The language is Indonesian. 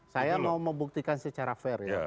saya mau membuktikan secara fair ya